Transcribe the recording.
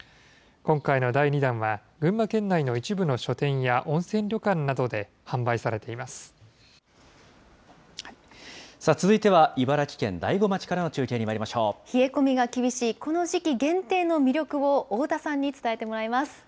今回の第２弾は、群馬県内の一部の書店や温泉旅館などで販売されさあ、続いては茨城県大子町冷え込みが厳しい、この時期限定の魅力を、太田さんに伝えてもらいます。